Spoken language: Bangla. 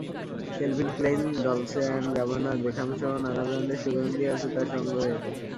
Kelvin Klein, Dolce and Gabbana বেকহামসহ নানা ব্র্যান্ডের সুগন্ধি আছে তাঁর সংগ্রহে।